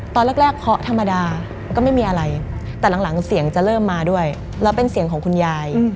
ตอนแรกเคาะธรรมดาก็ไม่มีอะไรแต่หลังเสียงจะเริ่มมาด้วยแล้วเป็นเสียงของคุณยาย